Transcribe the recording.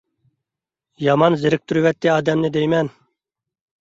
يامان زېرىكتۈرۈۋەتتى ئادەمنى دەيمەن.